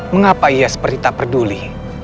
mengapa ia seperti tak peduli